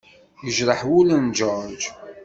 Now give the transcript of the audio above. Yejreḥ wul n George.